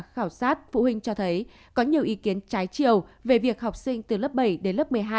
khảo sát phụ huynh cho thấy có nhiều ý kiến trái chiều về việc học sinh từ lớp bảy đến lớp một mươi hai